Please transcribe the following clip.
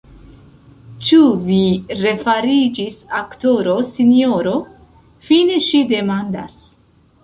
Ĉu vi refariĝis aktoro, sinjoro?fine ŝi demandas.